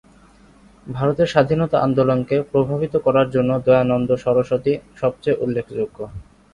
ভারতের স্বাধীনতা আন্দোলনকে প্রভাবিত করার জন্য দয়ানন্দ সরস্বতী সবচেয়ে উল্লেখযোগ্য।